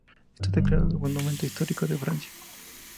Está declarado Monumento histórico de Francia.